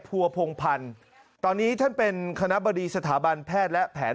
ัวพงพันธ์ตอนนี้ท่านเป็นคณะบดีสถาบันแพทย์และแผน